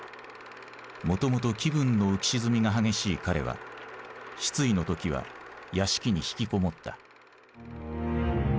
もともと気分の浮き沈みが激しい彼は失意の時は屋敷に引きこもった。